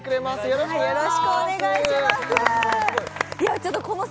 よろしくお願いします